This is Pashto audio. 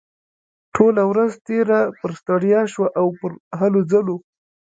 ټوله ورځ تېره پر ستړيا شوه او پر هلو ځلو.